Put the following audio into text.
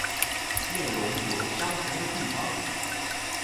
內容有相同的地方